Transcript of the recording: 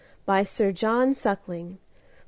Sir John Suckling 234.